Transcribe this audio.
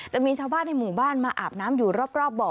จะมีชาวบ้านในหมู่บ้านมาอาบน้ำอยู่รอบบ่อ